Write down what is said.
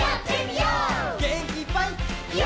げんきいっぱい！